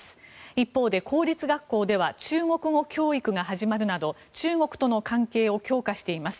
一方で公立学校では中国語教育が始まるなど中国との関係を強化しています。